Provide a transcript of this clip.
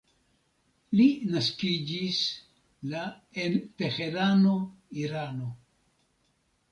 Li naskiĝis la en Teherano, Irano.